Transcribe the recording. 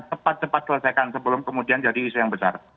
cepat cepat selesaikan sebelum kemudian jadi isu yang besar